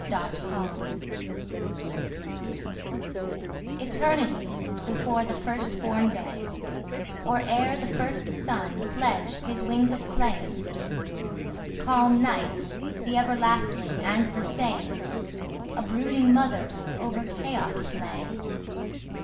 Mother Night ETERNITIES before the first born day, Or ere the first sun fledged his wings of flame, Calm Night, the everlasting and the same,A brooding mother over chaos lay.